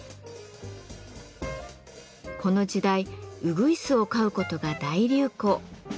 この時代うぐいすを飼うことが大流行。